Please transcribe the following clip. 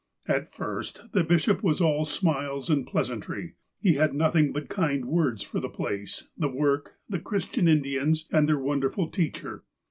At first the bishop was all smiles and pleasantry. He had nothing but kind words for the place, the work, the Christian Indians, and their wonderful teacher.